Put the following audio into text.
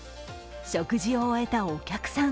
食事を終えたお客さん。